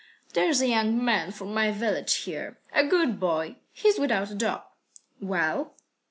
"There's a young man from my village here, a good boy. He's without a job." "Well?"